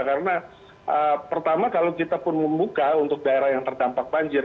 karena pertama kalau kita pun membuka untuk daerah yang terdampak banjir